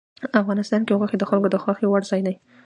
افغانستان کې غوښې د خلکو د خوښې وړ ځای دی.